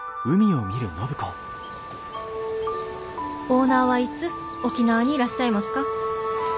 「オーナーはいつ沖縄にいらっしゃいますか？